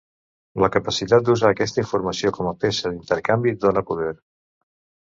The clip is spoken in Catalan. La capacitat d'usar aquesta informació com a peça d'intercanvi dóna poder.